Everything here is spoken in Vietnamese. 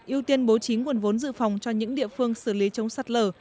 ưu tiên bố trí nguồn vốn dự phòng cho những địa phương xử lý chống sạt lở